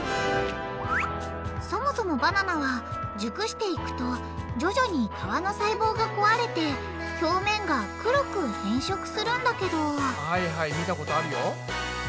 そもそもバナナは熟していくと徐々に皮の細胞が壊れて表面が黒く変色するんだけどはいはい見たことあるよ。